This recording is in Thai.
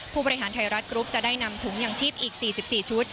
ผู้บริหารไทยรัฐกรุ๊ปจะได้นำถุงยังชีพอีก๔๔ชุด